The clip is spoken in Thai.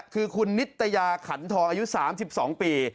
คือคุณนิตยาขันทองอายุ๓๒ปี